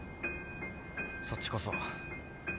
そっちこそ。